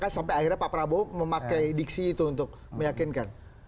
sampai akhirnya pak prabowo memakai diksi itu untuk meyakinkan